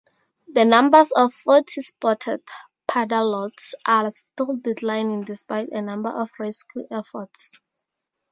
The numbers of forty-spotted pardalote's are still declining despite a number of rescue efforts.